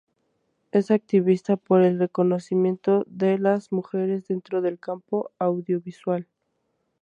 Es activista por el reconocimiento de las mujeres dentro del campo audiovisual.